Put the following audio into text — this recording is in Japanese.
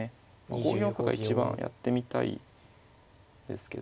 ５四歩が一番やってみたいですけどね。